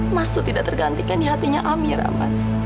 mas itu tidak tergantikan di hatinya amira mas